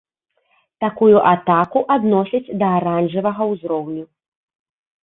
Такую атаку адносяць да аранжавага ўзроўню.